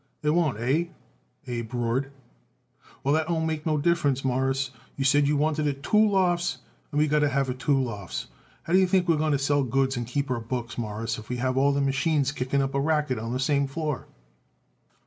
"It won't, hey?" Abe roared. "Well, that don't make no difference, Mawruss. You said you wanted it two lofts, and we got to have it two lofts. How do you think we're going to sell goods and keep our books, Mawruss, if we have all them machines kicking up a racket on the same floor?"